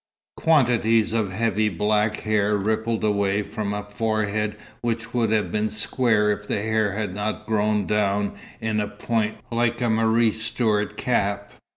Quantities of heavy black hair rippled away from a forehead which would have been square if the hair had not grown down in a point like a Marie Stuart cap.